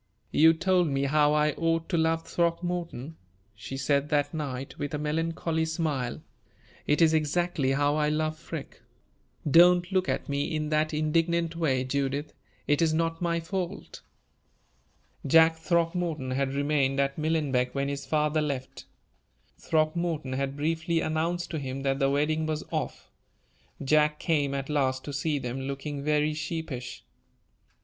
"You told me how I ought to love Throckmorton," she said that night, with a melancholy smile; "it is exactly how I love Freke. Don't look at me in that indignant way, Judith. It is not my fault." Jack Throckmorton had remained at Millenbeck when his father left. Throckmorton had briefly announced to him that the wedding was off. Jack came at last to see them, looking very sheepish.